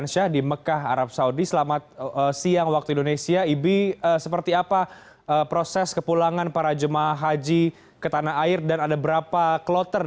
selamat siang rehat hari ini ke pulangan jemaah haji menuju tanah air ada sekitar lima belas kloter